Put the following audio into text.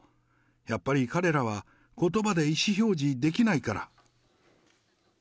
やっぱり彼らは、ことばで意思表示できないから。